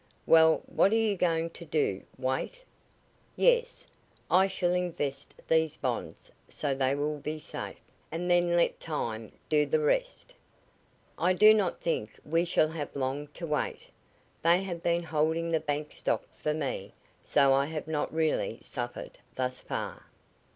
"Well, what are you going to do wait?" "Yes. I shall invest these bonds so they will be safe, and then let time do the rest. I do not think we shall have long to wait. They have been holding the bank stock for me, so I have not really suffered thus far."